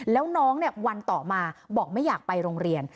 แล้วน้องวันต่อมาบอกไม่อยากไปโรงเรียน